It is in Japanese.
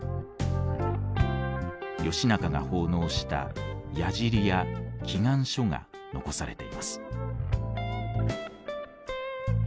義仲が奉納した鏃や祈願書が残されています。